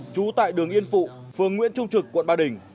trú tại đường yên phụ phường nguyễn trung trực quận ba đình